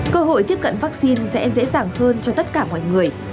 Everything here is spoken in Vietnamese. cơ hội tiếp cận vaccine sẽ dễ dàng hơn cho tất cả mọi người